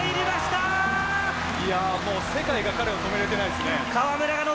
いやぁ、世界が彼を止められてないですね。